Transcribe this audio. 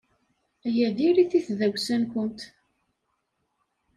Aya diri-t i tdawsa-nwent.